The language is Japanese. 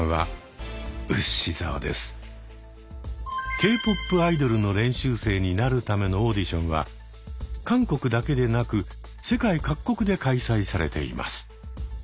Ｋ−ＰＯＰアイドルの練習生になるためのオーディションは韓国だけでなく世界各国で開催されています。